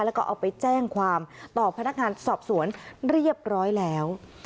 แล้วก็เอาไปแจ้งความต่อพนักงานสอบสวนเรียบร้อยแล้ว